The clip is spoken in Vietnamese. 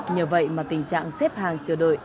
nhờ vậy mà tình trạng xếp hàng chờ đợi